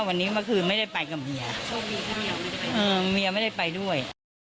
วันนี้เมื่อคืนไม่ได้ไปกับเมียโชคดีเมียไม่ได้ไปด้วย